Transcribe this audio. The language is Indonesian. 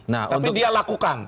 tapi dia lakukan